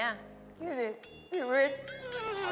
แกี่นี่